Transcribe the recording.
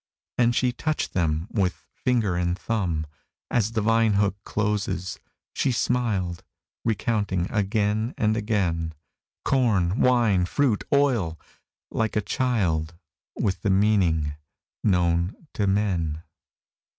And she touched them with finger and thumb, As the vine hook closes; she smiled, Recounting again and again, Corn, wine, fruit, oil! like a child, With the meaning known to men.